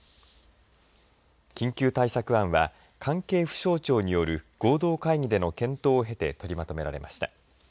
緊急対策案は関係府省庁による合同会議での検討を経て取りまとめられました。